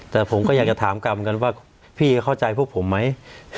แต่ผมก็อยากจะถามกรรมกันว่าพี่เข้าใจพวกผมไหม